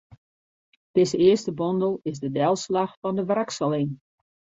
Dizze earste bondel is de delslach fan de wrakseling.